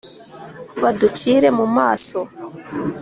Baducire mu maso